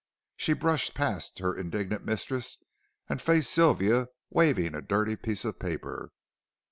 She brushed past her indignant mistress and faced Sylvia, waving a dirty piece of paper.